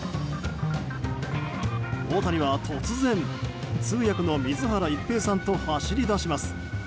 大谷は突然、通訳の水原一平さんと走り出します。